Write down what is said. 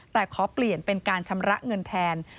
แต่ขอเปลี่ยนเป็นการชำระเงินแทน